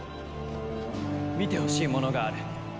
見てほしいものがある。